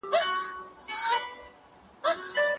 ډېر کتابونه د فقهي، قاموسو، پښتو نظم، ادبي